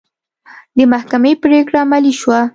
د محکمې پرېکړه عملي شوه.